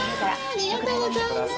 ありがとうございます。